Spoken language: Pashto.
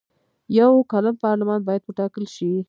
یو کلن پارلمان باید وټاکل شي.